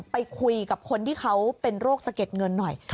ไปคุยกับคนที่เขาเป็นโรคสะเก็ดเงินหน่อย